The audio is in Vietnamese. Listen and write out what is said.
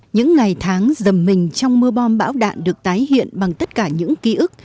những ngày tháng dầm mình trong mưa bom bão đạn được tái hiện bằng tất cả những ký ức